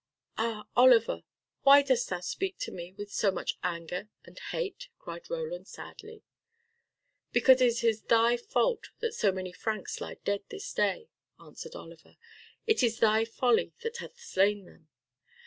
"Ah, Oliver, why dost thou speak to me with so much anger and hate," cried Roland sadly. "Because it is thy fault that so many Franks lie dead this day," answered Oliver. "It is thy folly that hath slain them.